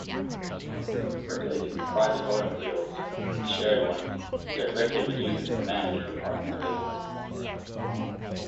Replacing private automobiles with shared ones directly reduces demand for parking spaces.